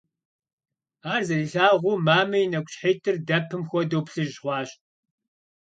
Ар зэрилъагъуу, мамэ и нэкӀущхьитӀыр, дэпым хуэдэу, плъыжь хъуащ.